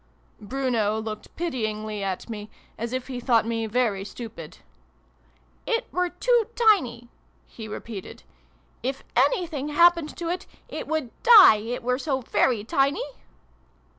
Bruno looked pityingly at me, as if he thought me very stupid. "It were too tiny," he repeated. " If anything happened to it, it would die it were so very tiny